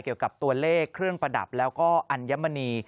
เกี่ยวกับตัวเลขเครื่องประดับแล้วก็อัญมณี